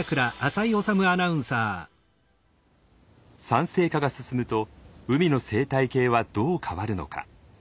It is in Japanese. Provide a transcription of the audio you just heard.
酸性化が進むと海の生態系はどう変わるのか？